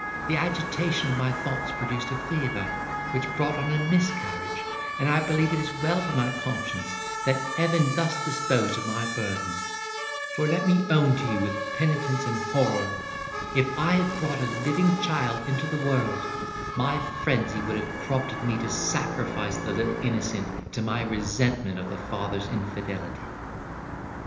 The agitation of my thoughts produced a fever, which brought on a miscarriage; and I believe it is well for my conscience that heaven thus disposed of my burden; for let me own to you with penitence and horror, if I had brought a living child into the world, my frenzy would have prompted me to sacrifice the little innocent to my resentment of the father's infidelity.